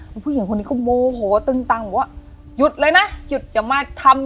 ผู้หญิงคนนี้ก็โมโหตึงตังบอกว่าหยุดเลยนะหยุดอย่ามาทำ